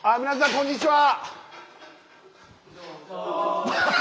こんにちは！